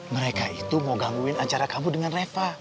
mereka itu mau gangguin acara kamu dengan reva